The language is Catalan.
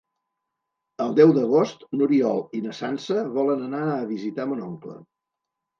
El deu d'agost n'Oriol i na Sança volen anar a visitar mon oncle.